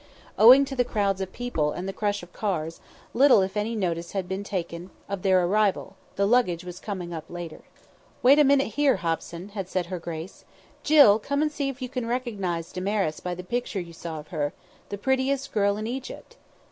Owing to the crowds of people and the crush of cars, little if any notice had been taken of their arrival; the luggage was coming up later. "Wait a minute here, Hobson," had said her grace. "Jill, come and see if you can recognise Damaris by the picture you saw of her the prettiest girl in Egypt!"